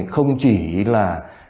không chỉ là